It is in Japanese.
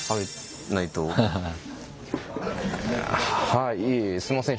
はいいえいえすいません